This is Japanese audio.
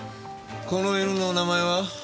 この犬の名前は？